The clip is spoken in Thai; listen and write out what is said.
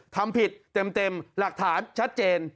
ทำผิดเต็มหลักฐานชัดเจน